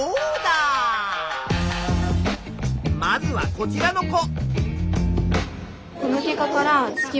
まずはこちらの子。